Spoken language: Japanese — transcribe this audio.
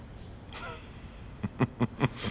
フフフッ。